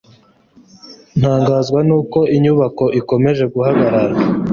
ntangazwa nuko inyubako ikomeje guhagarara